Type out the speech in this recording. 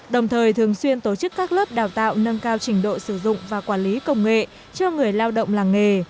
đồng thời thường xuyên tổ chức các lớp đào tạo nâng cao trình độ sử dụng và quản lý công nghệ cho người lao động làng nghề